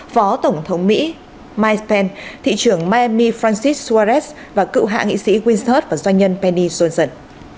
phó tổng thống mỹ mike pence thị trưởng miami francis suarez và cựu hạ nghị sĩ winstead và doanh nhân penny johnson